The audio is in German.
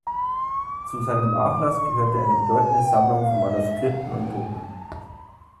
Zu seinem Nachlass gehörte eine bedeutende Sammlung von Manuskripten und Drucken.